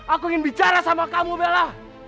aku ingin bicara sama kamu bella